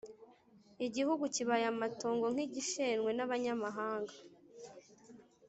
Igihugu kibaye amatongo nk’igishenywe n’abanyamahanga